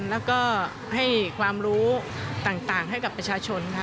และให้ความรู้ต่างให้กับประชาชน